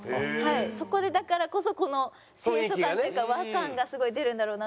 そこでだからこそこの清楚感というか和感がすごい出るんだろうなと思って。